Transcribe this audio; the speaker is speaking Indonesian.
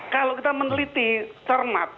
kalau kita meneliti cermat